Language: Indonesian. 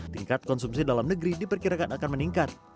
tingkat konsumsi dalam negeri diperkirakan akan meningkat